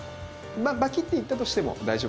バキッていったとしても大丈夫です。